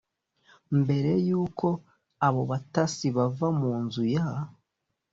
Mbere y uko abo batasi bava mu nzu ya